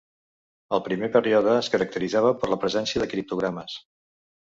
El primer període es caracteritzava per la presència de criptògames.